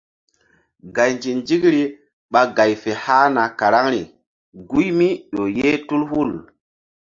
Gay nzi-nzikri ɓa gay fe hahna karaŋri guy mí ƴo ye tul hul.